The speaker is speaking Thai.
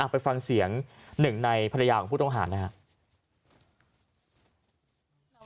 ไปฟังเสียง๑ในภัยของผู้ต่อหานะครับ